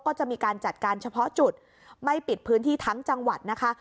ก็จะมีการจัดการเฉพาะจุดไม่ปิดพื้นที่ทั้งจังหวัดนะคะ